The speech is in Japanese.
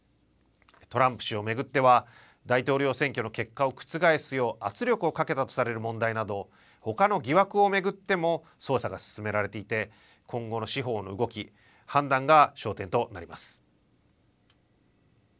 トランプ氏を巡っては大統領選挙の結果を覆すよう圧力をかけたとされる問題などほかの疑惑を巡っても捜査が進められていて今後の司法の動き、判断が焦点となります。